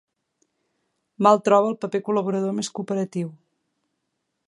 Mal troba el proper col·laborador més cooperatiu.